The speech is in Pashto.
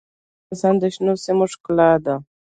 اوړي د افغانستان د شنو سیمو ښکلا ده.